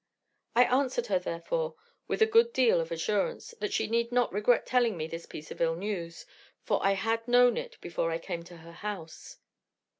I answered her, therefore, with a good deal of assurance, that she need not regret telling me this piece of ill news, for I had known it before I came to her house.